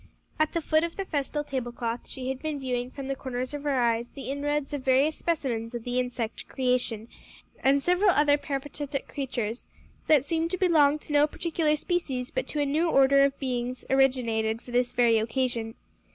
At the foot of the festal tablecloth, she had been viewing from the corners of her eyes the inroads of various specimens of the insect creation and several other peripatetic creatures that seemed to belong to no particular species but to a new order of beings originated for this very occasion.